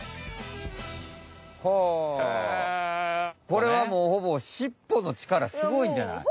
これはもうほぼしっぽの力すごいんじゃない？